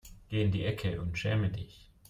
Geh in die Ecke und schäme dich.